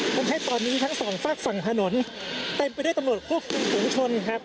ทำให้ตอนนี้ทั้งสองฝากฝั่งถนนเต็มไปด้วยตำรวจควบคุมฝุงชนครับ